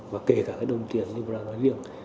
và kể cả cái đồng tiền libera nó riêng